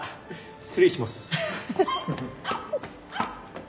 失礼します。